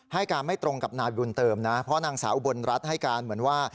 ให้การไม่ตรงกับนายบุญเติมนะเพราะนางสาวอุบลรัฐให้การเหมือนว่า